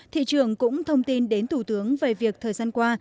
thị trường cũng thông tin đến thủ tướng về việc thời gian qua